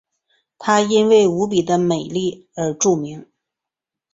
她因为无比的美貌而著名。